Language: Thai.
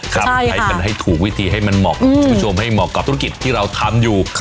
ใช้มันให้ถูกวิธีให้มันเหมาะกับคุณผู้ชมให้เหมาะกับธุรกิจที่เราทำอยู่